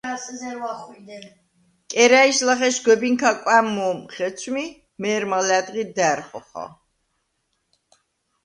კერა̈ჲს ლახე სგვებინქა კვა̈მ მო̄მ ხეცვმი, მე̄რმა ლა̈დღი და̈რ ხოხა.